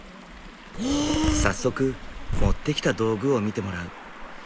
早速持ってきた道具を見てもらう。